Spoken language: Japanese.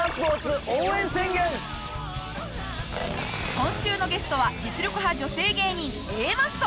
今週のゲストは実力派女性芸人Ａマッソ。